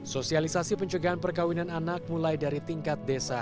sosialisasi pencegahan perkawinan anak mulai dari tingkat desa